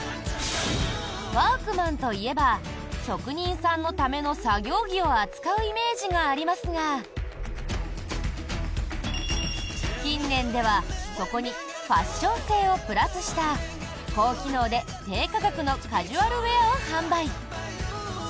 ワークマンといえば職人さんのための作業着を扱うイメージがありますが近年では、そこにファッション性をプラスした高機能で低価格のカジュアルウェアを販売。